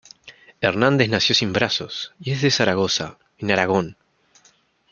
Hernández nació sin brazos, y es de Zaragoza, en Aragón.